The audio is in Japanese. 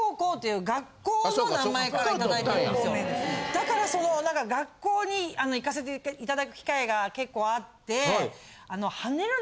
だからその学校に行かせて頂く機会が結構あって。